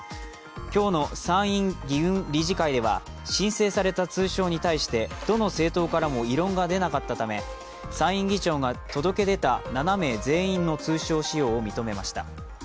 今日の参院議運理事会では申請された通称に対してどの政党からも異論が出なかったため参院議長が届け出た７名全員の通称使用を認めました。